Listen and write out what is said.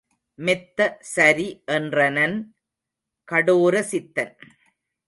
மெத்த சரி என்றனன் கடோர சித்தன்.